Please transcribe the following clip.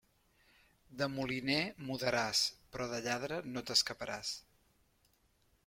De moliner mudaràs, però de lladre no t'escaparàs.